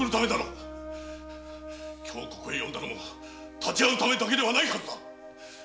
今日ここへ呼んだのも立ち合うためだけではないハズだ。